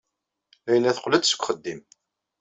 Layla teqqel-d seg uxeddim.